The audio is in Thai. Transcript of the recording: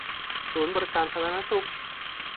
ศูนย์บริการสาธารณสุข